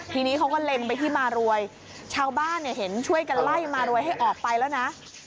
ทีนี้เขาก็เล็งไปที่มารวยชาวบ้านเนี่ยเห็นช่วยกันไล่มารวยให้ออกไปแล้วนะ